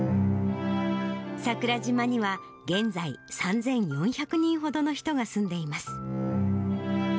桜島には現在３４００人ほどの人が住んでいます。